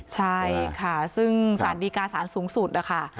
ใช่ค่ะซึ่งศาสนดีการณ์สำสูงสุดนะคะ